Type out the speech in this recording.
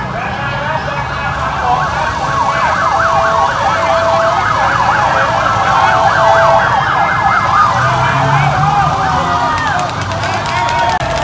บรรยาของพวกเขาว่านี้ต้องมีเหลือ